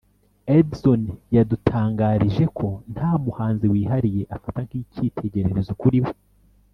Edyzzon yadutangarijeko nta muhanzi wihariye afata nk’icyitegererezo kuri we